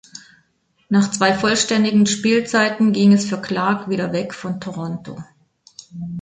Nach zwei vollständigen Spielzeiten ging es für Clark wieder weg von Toronto.